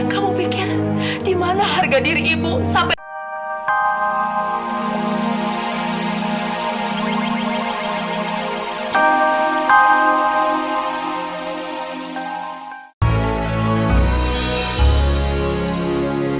kamu pikir di mana harga diri ibu sampai